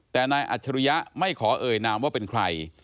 แต่นายอัจฉริยะไม่ขอเอ่ยนามว่าเป็นใคร